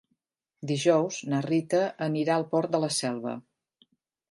Dijous na Rita anirà al Port de la Selva.